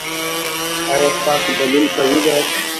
ایا ستاسو دلیل قوي دی؟